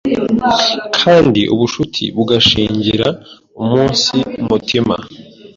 Kandi ubucuti bugashingira umunsi mutima